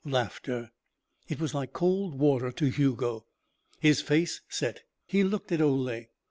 Laughter. It was like cold water to Hugo. His face set. He looked at Ole.